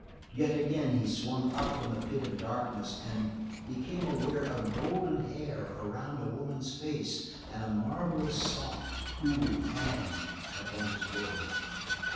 Yet again he swung tip from the pit of darkness and became aware of golden hair around a woman's face, and a marvelous soft, cool hand upon his forehead.